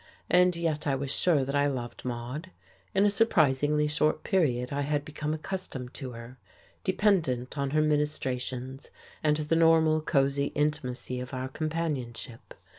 And yet I was sure that I loved Maude; in a surprisingly short period I had become accustomed to her, dependent on her ministrations and the normal, cosy intimacy of our companionship.